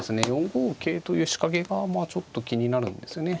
４五桂という仕掛けがちょっと気になるんですね。